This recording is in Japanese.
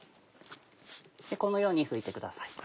このように拭いてください。